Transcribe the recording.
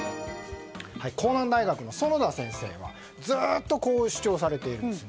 甲南大学の園田先生はずっとこう主張されているんです。